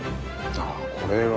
あこれは。